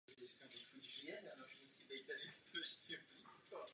Místo jeho narození není známo.